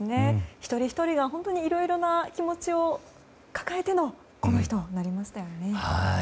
一人ひとりが本当にいろいろな気持ちを抱えてのこの日となりましたよね。